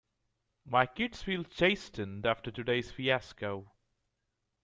My kids feel chastened after today's fiasco.